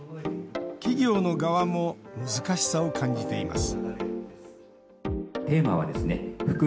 企業の側も難しさを感じています